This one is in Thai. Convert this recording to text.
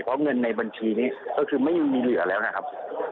เพราะเงินในบัญชีนี้ก็คือไม่มีเหลือแล้วนะครับ